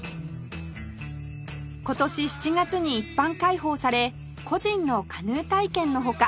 今年７月に一般開放され個人のカヌー体験の他